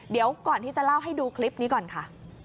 เดี๋ยวก่อนที่จะเล่าให้ดูคลิปนี้ก่อนค่ะ